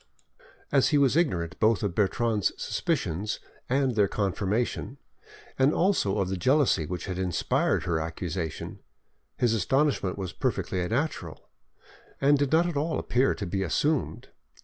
As he was ignorant both of Bertrande's suspicions and their confirmation, and also of the jealousy which had inspired her accusation, his astonishment was perfectly natural, and did not at all appear to be assumed.